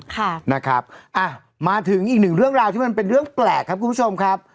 ค่ะนะครับอ่ะมาถึงอีกหนึ่งเรื่องราวที่มันเป็นเรื่องแปลกครับคุณผู้ชมครับ